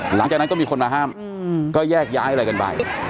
หลังจากนั้นก็มีคนมาห้ามก็แยกย้ายอะไรกันไป